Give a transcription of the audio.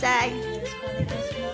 よろしくお願いします。